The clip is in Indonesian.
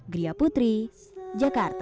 gria putri jakarta